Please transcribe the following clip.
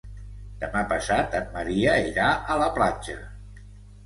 Demà passat en Maria irà a la platja.